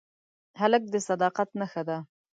هلک د صداقت نښه ده.